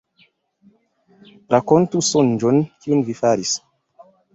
Rakontu sonĝon, kiun vi faris.